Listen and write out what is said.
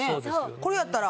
これやったら。